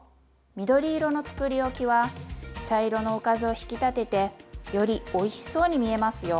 緑色のつくりおきは茶色のおかずを引き立ててよりおいしそうに見えますよ。